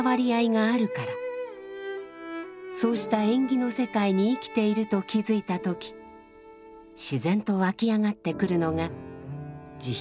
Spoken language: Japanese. そうした縁起の世界に生きていると気づいた時自然と湧き上がってくるのが慈悲です。